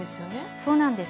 そうなんです。